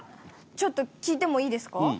ちょっと聞いてもいいですか？